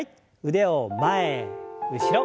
腕を前後ろ。